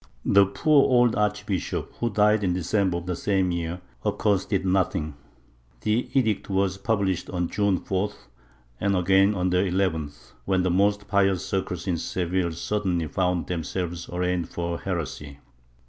^ The poor old archbishop, who died in December of the same year, of course did nothing. The edict was published on June 4th and again on the 11th, when the most pious circles in Seville suddenly found themselves arraigned for heresy.